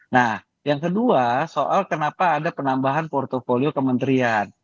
nah yang kedua soal kenapa ada penambahan portofolio kementerian